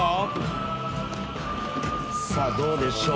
さあどうでしょう？